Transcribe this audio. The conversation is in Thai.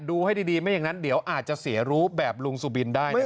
ดูให้ดีไม่อย่างนั้นเดี๋ยวอาจจะเสียรู้แบบลุงสุบินได้นะครับ